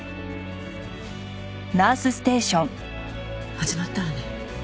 始まったわね。